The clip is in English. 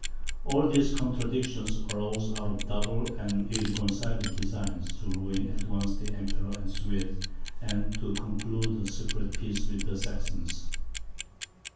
All these contradictions arose out of the double and irreconcileable designs to ruin at once the Emperor and the Swedes, and to conclude a separate peace with the Saxons.